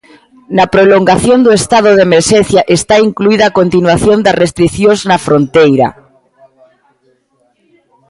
Na prolongación do estado de emerxencia está incluída a continuación das restricións na fronteira.